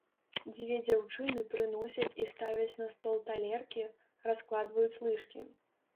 Дзве дзяўчыны прыносяць і ставяць на стол талеркі, раскладваюць лыжкі.